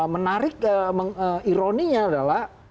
menarik ironinya adalah